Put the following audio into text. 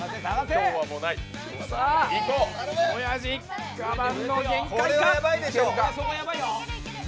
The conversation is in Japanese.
おやじ我慢の限界か？